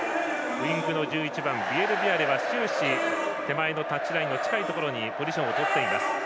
ウイングの１１番ビエルビアレは終始、手前のタッチラインの近いところにポジションをとっています。